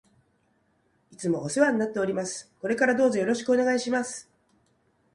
いつもお世話になっております。これからどうぞよろしくお願いします。